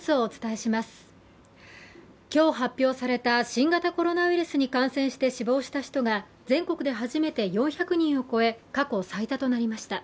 今日発表された新型コロナウイルスに感染して死亡した人が全国で初めて４４人を超え過去最多となりました。